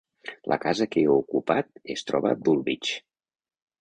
La casa que he ocupat es troba a Dulwich.